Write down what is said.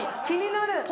気になる。